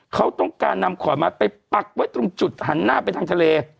เขาต้องการนำขอนไม้ไปปักไว้ตรงจุดหันหน้าไปทางทะเล